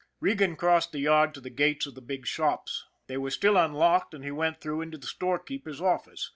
Regan crossed the yard to the gates of the big shops. They were still unlocked, and he went through into the storekeeper's office.